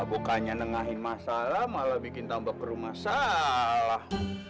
bukannya nengahin masalah malah bikin tambah perumah salah